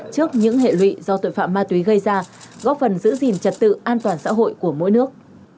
trước những hệ lụy do tội phạm ma túy gây ra góp phần giữ gìn trật tự an toàn xã hội của mỗi nước